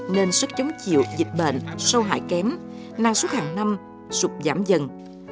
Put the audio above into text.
nên sức chống chịu dịch bệnh sâu hại kém năng suất hàng năm sụp giảm dần